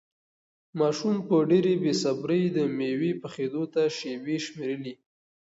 ماشوم په ډېرې بې صبري د مېوې پخېدو ته شېبې شمېرلې.